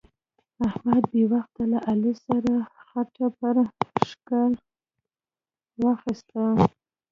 احمد بې وخته له علي سره خټه پر ښکر واخيسته.